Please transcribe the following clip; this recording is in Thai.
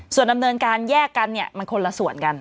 ส่วนดำเนินการแยกกันเนี่ยมันคนละส่วนกัน